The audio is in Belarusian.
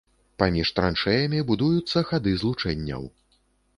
Паміж траншэямі будуюцца хады злучэнняў.